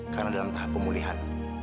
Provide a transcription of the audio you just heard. karena dalam tahap pemulihan